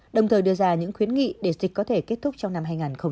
đồng thời đưa ra những khuyến nghị để dịch có thể kết thúc trong năm hai nghìn hai mươi